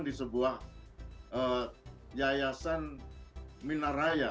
di sebuah yayasan minaraya